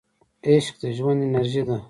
عشق د ژوند انرژي ده.